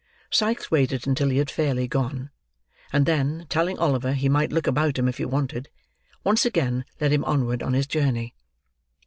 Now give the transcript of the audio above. Sikes waited until he had fairly gone; and then, telling Oliver he might look about him if he wanted, once again led him onward on his journey.